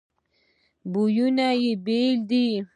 بویونه یې بیل دي.